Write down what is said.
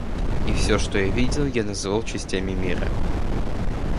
И все, что я видел, я называл частями мира.